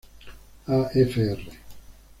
A fr.